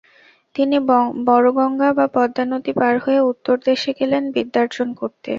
তিনি “বড়গঙ্গা” বা পদ্মানদী পার হয়ে উত্তরদেশে গেলেন বিদ্যার্জন করতে।